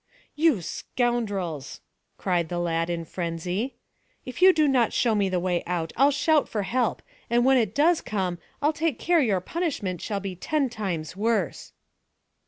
"You scoundrels!" cried the lad in frenzy. "If you do not show me the way out, I'll shout for help, and when it does come, I'll take care your punishment shall be ten times worse."